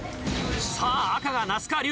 さぁ赤が那須川龍